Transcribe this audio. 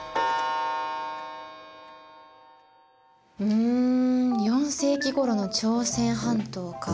うん４世紀ごろの朝鮮半島か。